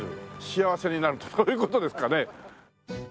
幸せになるとそういう事ですかね？